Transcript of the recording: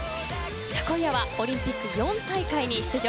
今夜はオリンピック４大会に出場